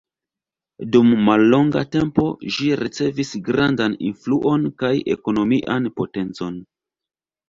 Dum mallonga tempo ĝi ricevis grandan influon kaj ekonomian potencon.